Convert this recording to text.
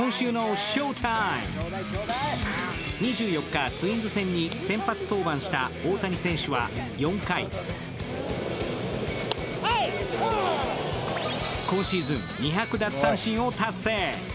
２４日、ツインズ戦に先発登板した大谷選手は４回今シーズン２００奪三振を達成。